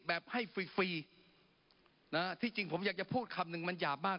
แบบให้ฟรีฟรีนะฮะที่จริงผมอยากจะพูดคำหนึ่งมันหยาบมาก